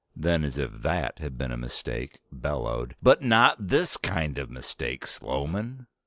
Then, as if that had been a mistake, bellowed: "But not this kind of mistake, Sloman!